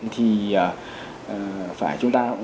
thì phải chúng ta